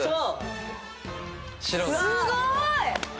すごーい！